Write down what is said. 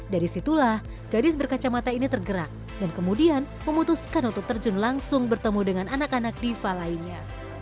dari situlah gadis berkacamata ini tergerak dan kemudian memutuskan untuk terjun langsung bertemu dengan anak anak diva lainnya